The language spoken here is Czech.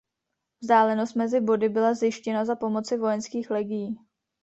Vzdálenost mezi body byla zjištěna za pomoci vojenských legií.